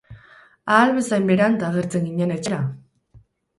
Ahal bezain berant agertzen ginen etxera!